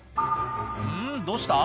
「うん？どうした？